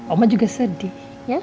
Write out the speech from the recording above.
oma juga sedih ya